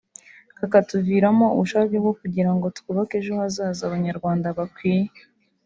kakatuviramo ubushake bwo kugira ngo twubake ejo hazaza Abanyarwanda bakwiye